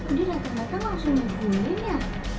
udah datang datang langsung ngebunuhin ya